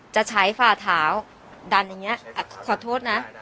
จะใช้ฝ่าเท้าดันอย่างนี้ขอโทษนะ